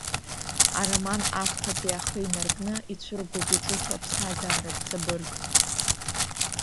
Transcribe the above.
Ароман ахԥатәи ахы инаркны ицәыргоуп иҿыцу аԥсҭазааратә ҵабырг.